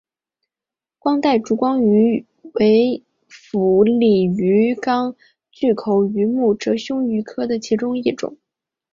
光带烛光鱼为辐鳍鱼纲巨口鱼目褶胸鱼科的其中一种。